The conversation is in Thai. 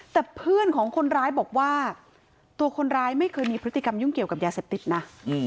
แต่เพื่อนของคนร้ายบอกว่าตัวคนร้ายไม่เคยมีพฤติกรรมยุ่งเกี่ยวกับยาเสพติดนะ